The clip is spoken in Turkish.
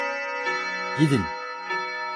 Gidin!